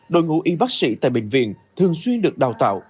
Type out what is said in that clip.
đội ngũ y bác sĩ tại bệnh viện thường xuyên được đào tạo